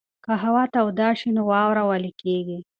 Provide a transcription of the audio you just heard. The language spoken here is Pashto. که هوا توده شي نو واوره ویلې کېږي.